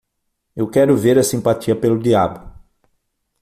Eu quero ver a simpatia pelo diabo